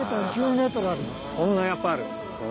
そんなやっぱある？